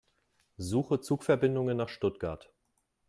Suche Zugverbindungen nach Stuttgart.